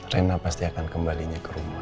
rena pasti akan kembalinya ke rumah